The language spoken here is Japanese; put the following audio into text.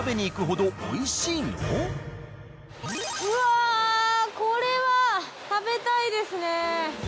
うわこれは食べたいですね。